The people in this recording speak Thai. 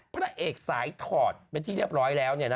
พระเอกสายถอดเป็นที่เรียบร้อยแล้วเนี่ยนะฮะ